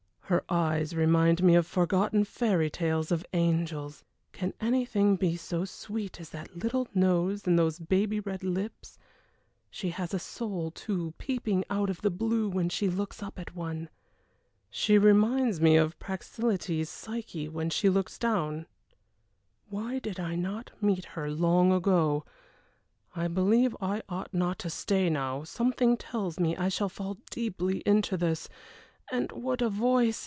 Her eyes remind one of forgotten fairy tales of angels. Can anything be so sweet as that little nose and those baby red lips. She has a soul, too, peeping out of the blue when she looks up at one. She reminds me of Praxiteles' Psyche when she looks down. Why did I not meet her long ago? I believe I ought not to stay now something tells me I shall fall deeply into this. And what a voice!